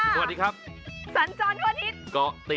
แก้ปัญหาผมร่วงล้านบาท